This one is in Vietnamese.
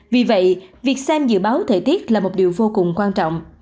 vì vậy việc xem dự báo thời tiết là một điều vô cùng quan trọng